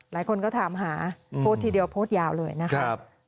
หลายคนก็ถามหาโพสต์ทีเดียวโพสต์ยาวเลยนะครับ